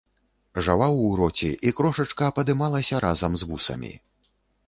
Жаваў у роце, і крошачка падымалася разам з вусамі.